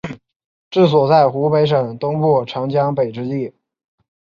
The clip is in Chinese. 治所在湖北省东部长江北之地。